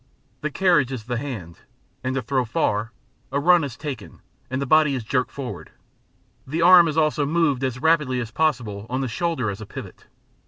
The carriage is the hand, and, to throw far, a run is taken and the body is jerked forward; the arm is also moved as rapidly as possible on the shoulder as pivot.